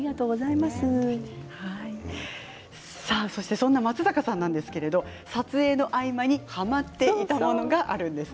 そんな松坂さんなんですけど撮影の合間にはまっていたものがあります。